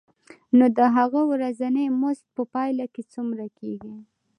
نو د هغه ورځنی مزد په پایله کې څومره کېږي